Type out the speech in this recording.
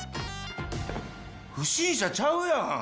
不審者ちゃうやん。